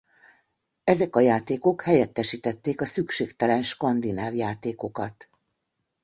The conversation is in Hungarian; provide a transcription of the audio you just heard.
Ezek a játékok helyettesítették a szükségtelen skandináv játékokat.